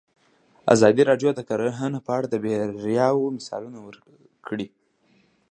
ازادي راډیو د کرهنه په اړه د بریاوو مثالونه ورکړي.